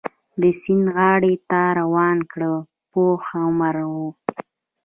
د سیند غاړې ته روان کړ، پوخ عمره و.